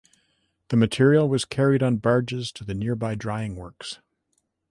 The material was carried on barges to the nearby drying works.